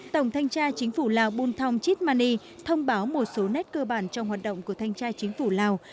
tổng thanh tra chính phủ lào bùn thông chít mani thông báo một số nét cơ bản trong hoạt động của thanh tra chính phủ lào